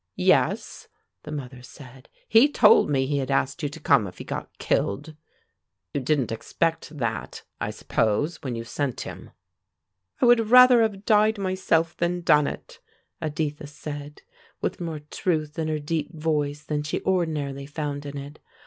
"Yes," the mother said, "he told me he had asked you to come if he got killed. You didn't expect that, I suppose, when you sent him." "I would rather have died myself than done it!" Editha said with more truth in her deep voice than she ordinarily found in it.